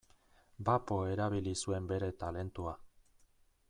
Bapo erabili zuen bere talentua.